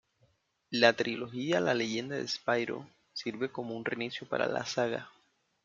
La trilogía la Leyenda de Spyro sirve como un reinicio para la saga.